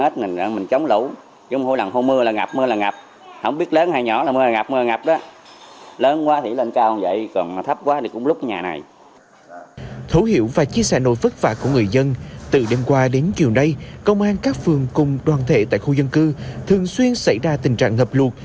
thấu hiểu và chia sẻ nỗi vất vả của người dân từ đêm qua đến chiều nay công an các phường cùng đoàn thể tại khu dân cư thường xuyên xảy ra tình trạng ngập lụt